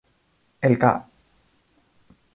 El Ca.